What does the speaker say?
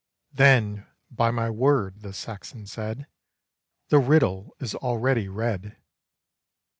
"Then, by my word," the Saxon said, "The riddle is already read.